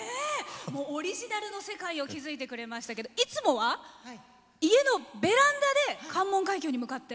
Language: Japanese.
オリジナルの世界を築いてくれましたけどいつもは家のベランダで関門海峡に向かって。